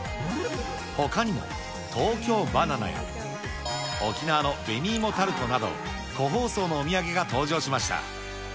ほかにも東京ばな奈や、沖縄の紅いもタルトなど、個包装のお土産が登場しました。